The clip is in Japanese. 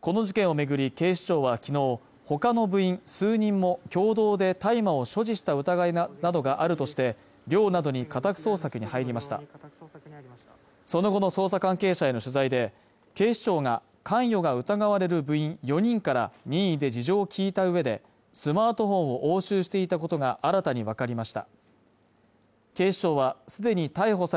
この事件をめぐり警視庁は昨日ほかの部員数人も共同で大麻を所持した疑いなどがあるとして寮などに家宅捜索に入りましたその後の捜査関係者への取材で警視庁が関与が疑われる部員４人から任意で事情を聴いたうえで熱戦が続く世界陸上ブダペスト大会４日目も日本勢が新たな快挙を達成しました